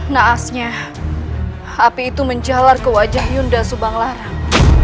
naasnya api itu menjalar ke wajah yunda subanglarang